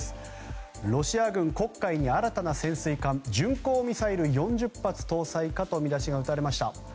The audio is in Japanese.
ロシア軍、黒海に新たな潜水艦巡航ミサイル４０発搭載かという見出しが打たれました。